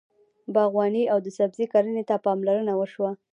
باغواني او د سبزۍ کرنې ته پاملرنه وشوه.